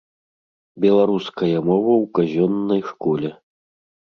Беларуская мова ў казённай школе